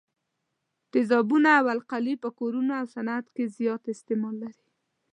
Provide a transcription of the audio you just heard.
تیزابونه او القلي په کورونو او صنعت کې زیات استعمال لري.